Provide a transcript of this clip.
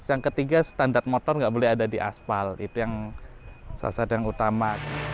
yang ketiga standar motor nggak boleh ada di aspal itu yang sasar yang utama